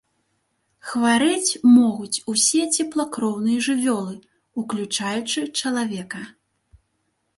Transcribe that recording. Хварэць могуць усе цеплакроўныя жывёлы, уключаючы чалавека.